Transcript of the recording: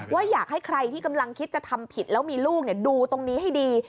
ว่าอยากให้ใครที่กำลังคิดจะทำผิดแล้วมีลูกดูตรงนี้ให้ดี